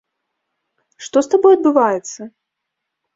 Што з табой адбываецца?